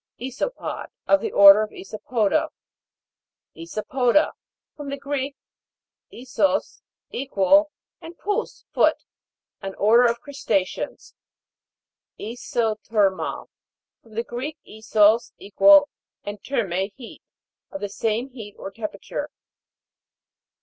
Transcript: ISO'POD. Of the order Iso'poda. ISO'PODA. From the Greek, isos, equal, and pous, foot. An order of crusta'ceans. ISOTHER'MAL. From the Greek, isos, equal, and therme, heat. Of the same heat or temperature.